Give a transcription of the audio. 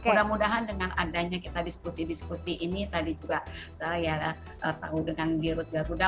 mudah mudahan dengan adanya kita diskusi diskusi ini tadi juga saya tahu dengan dirut garuda